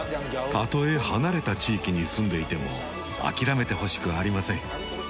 たとえ離れた地域に住んでいても諦めてほしくありません。